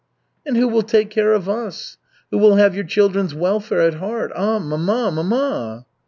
"And who will take care of us? Who will have your children's welfare at heart? Ah, mamma, mamma!"